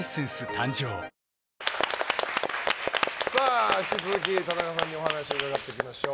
誕生引き続き、田中さんにお話を伺いましょう。